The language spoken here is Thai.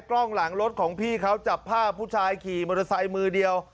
กล้องหลังรถของพี่เขาจับภาพผู้ชายขี่มอเตอร์ไซค์มือเดียว